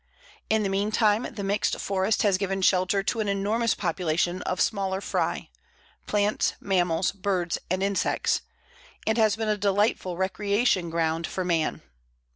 In the mean time the mixed forest has given shelter to an enormous population of smaller fry plants, mammals, birds, and insects and has been a delightful recreation ground for man.